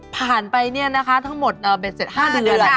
ผ่านไปนี่นะคะทั้งหมดนี่๗๕เดือน